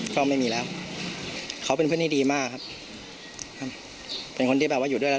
ก็ไม่มีแล้วเขาเป็นเพื่อนที่ดีมากครับครับเป็นคนที่แบบว่าอยู่ด้วยแล้ว